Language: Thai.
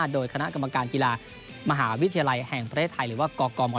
โดยคณะกรรมการกีฬามหาวิทยาลัยแห่งประเทศไทยหรือว่ากกม